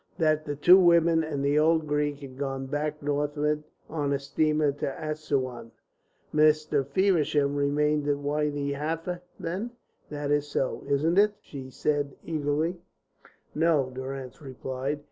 "That the two women and the old Greek had gone back northward on a steamer to Assouan." "Mr. Feversham remained at Wadi Halfa, then? That is so, isn't it?" she said eagerly. "No," Durrance replied.